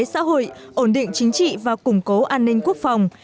xã hội ổn định chính trị và củng cố an ninh quốc phòng